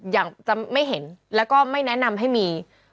อย่างจะไม่เห็นแล้วก็ไม่แนะนำให้มี